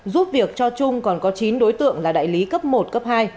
giúp việc cho trung còn có chín đối tượng là đại lý cấp một cấp hai